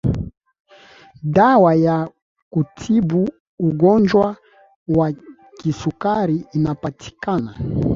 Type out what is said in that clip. dawa ya kutibu ugonjwa wa kisukari inapatikana